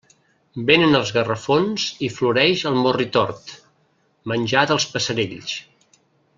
Vénen els gafarrons i floreix el morritort, menjar dels passerells.